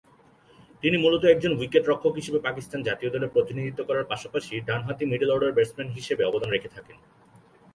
তিনি মূলত একজন উইকেট রক্ষক হিসেবে পাকিস্তান জাতীয় দলে প্রতিনিধিত্ব করার পাশাপাশি ডানহাতি মিডল অর্ডার ব্যাটসম্যান হিসেবে অবদান রেখে থাকেন।